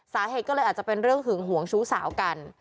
สาเหตุก็เลยอาจจะเป็นเรื่องหึงหวงชู้สาวกัน